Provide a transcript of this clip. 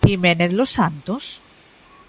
¿Jiménez Losantos?